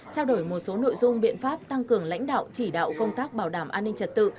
trao đổi một số nội dung biện pháp tăng cường lãnh đạo chỉ đạo công tác bảo đảm an ninh trật tự